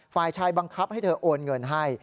ฝ่ายชายบังคับให้เธอโอนเงินให้